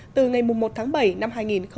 mùa một tháng bảy năm hai nghìn một mươi tám